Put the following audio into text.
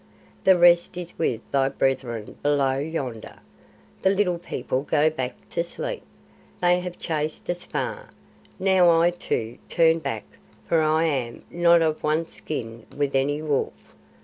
"The rest is with thy brethren below yonder, The Little People go back to sleep. They have chased us far. Now I, too, turn back, for I am not of one skin with any wolf.